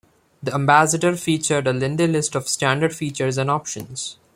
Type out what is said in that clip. The Ambassador featured a lengthy list of standard features and options.